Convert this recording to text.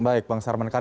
baik bang sarman